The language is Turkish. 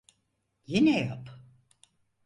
Yine yap.